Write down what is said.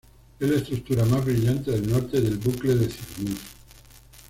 Es la estructura más brillante del norte del Bucle de Cygnus.